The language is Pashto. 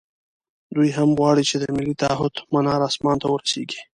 دوی هم غواړي چې د ملي تعهُد منار اسمان ته ورسېږي.